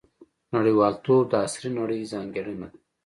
• نړیوالتوب د عصري نړۍ ځانګړنه ده.